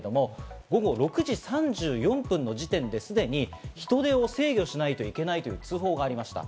午後６時３４分の時点ですでに人出を制御しないといけないという通報がありました。